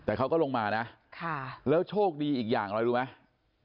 แต่เขาก็ลงมานะแล้วโชคดีอีกอย่างอะไรรู้ไหม